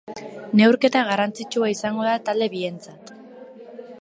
Neurketa garrantzitsua izango da talde bientzat.